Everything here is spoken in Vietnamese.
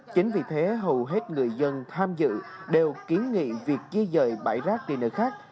chính vì thế hầu hết người dân tham dự đều kiến nghị việc di dời bãi rác đi nơi khác